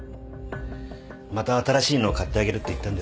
また新しいのを買ってあげるって言ったんですが。